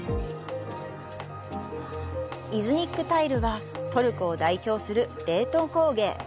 イズニックタイルはトルコを代表する伝統工芸。